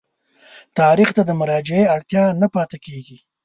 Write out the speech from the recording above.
تاریخ ته د مراجعې اړتیا نه پاتېږي.